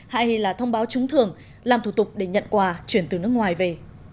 hay là thông báo trúng thường làm thủ tục để nhận quà chuyển từ nước ngoài về